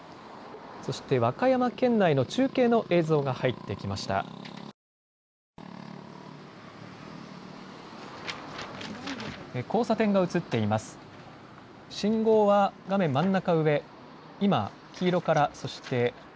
そして和歌山県内の中継の映像が入ってきました。